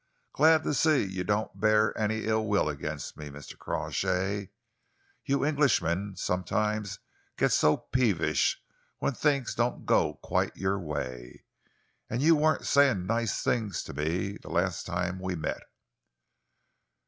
"Glad to see you don't bear any ill will against me, Mr. Crawshay. You Englishmen sometimes get so peevish when things don't go quite your way, and you weren't saying nice things to me last time we met."